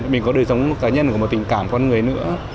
mình có đời sống cá nhân có một tình cảm con người nữa